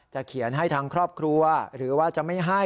เขียนให้ทางครอบครัวหรือว่าจะไม่ให้